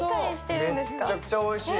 めっちゃくちゃおいしい。